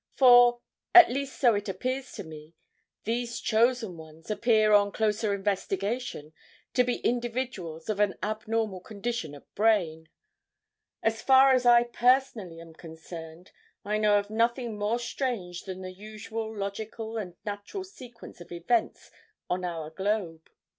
For, at least so it appears to me, these chosen ones appear on closer investigation to be individuals of an abnormal condition of brain. As far as I personally am concerned, I know of nothing more strange than the usual logical and natural sequence of events on our globe.